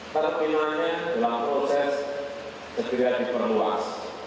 pertamanya dalam proses kekerjaan diperluas